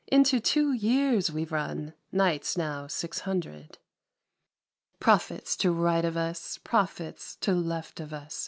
Into two years we've run. Nights now Six Hundred. Prophets to right of us. Prophets to left of us.